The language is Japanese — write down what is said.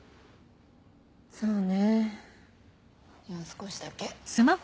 そうねじゃあ少しだけ。